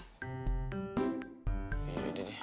ya udah deh